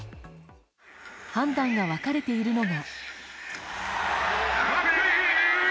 判断が分かれているのが。